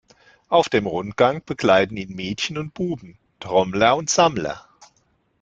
Auf dem Rundgang begleiten ihn Mädchen und Buben, Trommler und Sammler.